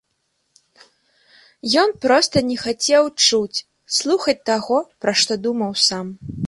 Ён проста не хацеў чуць, слухаць таго, пра што думаў сам.